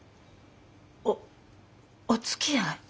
おおつきあい！？